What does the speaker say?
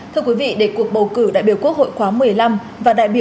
thưa quý vị để cuộc bầu cử đại biểu quốc hội khóa một mươi năm